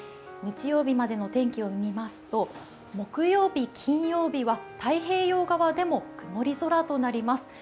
日曜日までの天気を見ますと、木曜日、金曜日は太平洋側でも曇り空となります。